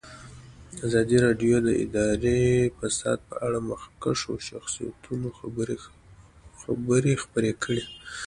ازادي راډیو د اداري فساد په اړه د مخکښو شخصیتونو خبرې خپرې کړي.